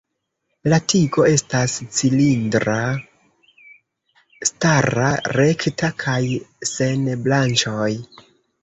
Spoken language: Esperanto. La tigo estas cilindra, stara, rekta kaj sen branĉoj.